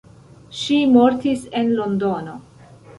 Ŝi mortis en Londono.